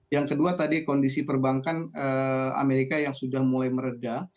yang kedua tadi kondisi perbankan amerika yang sudah mulai meredah